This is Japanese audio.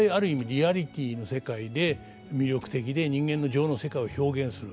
リアリティーの世界で魅力的で人間の情の世界を表現する。